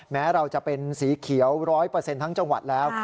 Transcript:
แม้เราจะเป็นสีเขียวร้อยเปอร์เซ็นต์ทั้งจังหวัดแล้ว